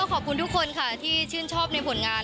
ขอบคุณทุกคนค่ะที่ชื่นชอบในผลงาน